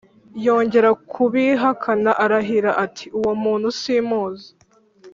Yongera kubihakana arahira ati “Uwo muntu simuzi.”